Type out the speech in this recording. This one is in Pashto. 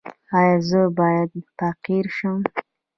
ایا زه باید فقیر شم؟